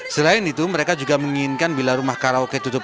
selain itu mereka juga menginginkan bila rumah karaoke tutup